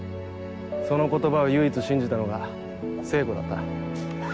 その言葉を唯一信じたのが聖子だった。